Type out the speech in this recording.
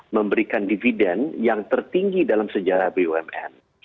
memberikan dividen yang tertinggi dalam sejarah bumn